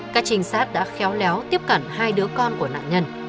các trinh sát đã khéo léo tiếp cận hai đứa con của nạn nhân